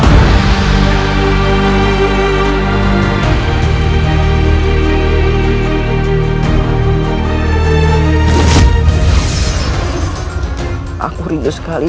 tidak mungkin modeled r disinfection berlebihan tuhan yang ber dialog dengan induk ini